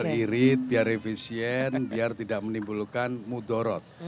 irit biar efisien biar tidak menimbulkan mudorot